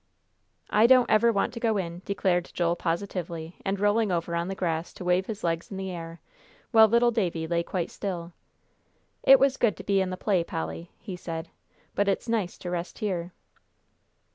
"I don't ever want to go in," declared Joel, positively, and rolling over on the grass to wave his legs in the air, while little Davie lay quite still. "It was good to be in the play, Polly," he said, "but it's nice to rest here."